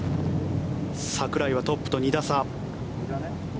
櫻井はトップと２打差。